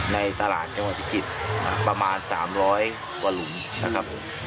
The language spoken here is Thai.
ในตลาดจังหวัดพิจิตรประมาณ๓๐๐กว่าหลุมนะครับผม